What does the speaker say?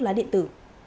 lá điện tử